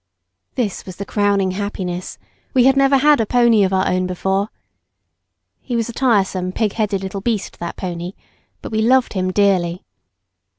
This was the crowning happiness; we had never had a pony of our own before. He was a tiresome, pigheaded little beast that pony; but we loved him dearly.